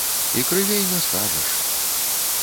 І крывей не скажаш.